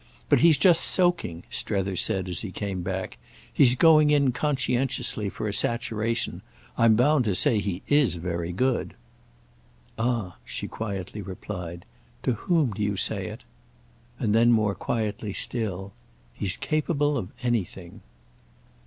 But he's just soaking," Strether said as he came back; "he's going in conscientiously for a saturation. I'm bound to say he is very good." "Ah," she quietly replied, "to whom do you say it?" And then more quietly still: "He's capable of anything."